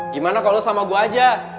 gimana kalau lo sama gue aja